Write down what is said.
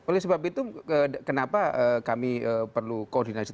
oleh sebab itu kenapa kami perlu koordinasi